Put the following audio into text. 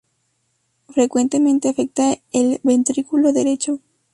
Frecuentemente afecta al ventrículo derecho.